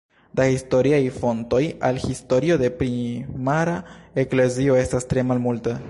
Da historiaj fontoj al historio de primara eklezio estas tre malmulte.